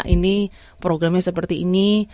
ini programnya seperti ini